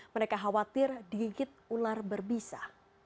mereka khawatir digigit ular berbisa